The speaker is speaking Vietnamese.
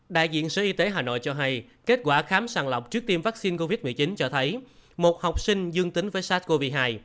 đại diện sở y tế hà nội cho hay kết quả khám sàng lọc trước tiêm vaccine covid một mươi chín cho thấy một học sinh dương tính với sars cov hai